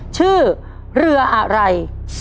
ชื่อเรืออะไร